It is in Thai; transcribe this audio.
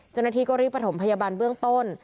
เจ้าหน้าที่ก็รีบประถมพยาบาลเบื้องต้น